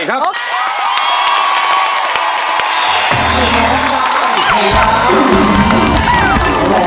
ร้องได้ร้องได้